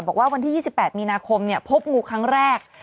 บอกว่าวันที่๒๘มีนาคมเนี่ยพบงูครั้งแรก